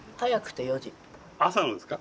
朝のですか？